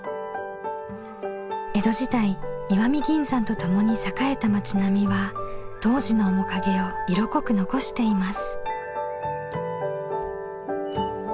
江戸時代石見銀山とともに栄えた町並みは当時の面影を色濃く残しています。